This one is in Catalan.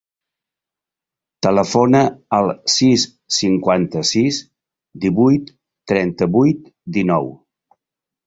Telefona al sis, cinquanta-sis, divuit, trenta-vuit, dinou.